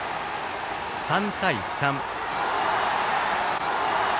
３対３。